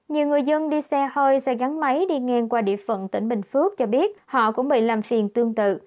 nhiều người dân đi xe hơi xe gắn máy đi ngang qua địa phận tỉnh bình phước cho biết họ cũng bị làm phiền tương tự